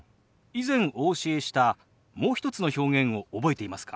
以前お教えしたもう一つの表現を覚えていますか？